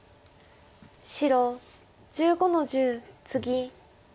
白１５の十ツギ。